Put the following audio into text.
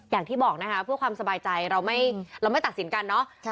อย่างที่บอกนะคะเพื่อความสบายใจเราไม่ตัดสินกันเนาะ